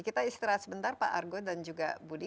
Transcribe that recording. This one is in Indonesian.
kita istirahat sebentar pak argo dan juga budi